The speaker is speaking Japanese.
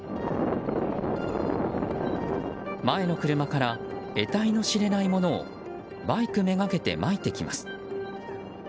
前の車から得体のしれないものをバイクめがけてまいてきます。